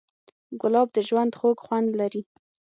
ګلاب د ژوند خوږ خوند لري.